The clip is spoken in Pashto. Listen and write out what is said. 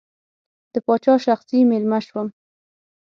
د پاچا شخصي مېلمه شوم.